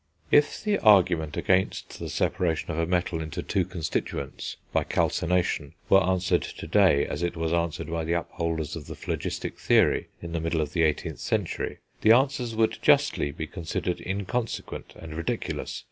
If the argument against the separation of a metal into two constituents, by calcination, were answered to day as it was answered by the upholders of the phlogistic theory, in the middle of the 18th century, the answers would justly be considered inconsequent and ridiculous.